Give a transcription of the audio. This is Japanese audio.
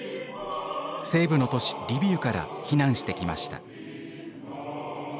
西部の都市リビウから避難してきました。